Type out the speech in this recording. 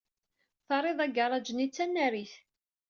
Terriḍ agaṛaj-nni d tanarit.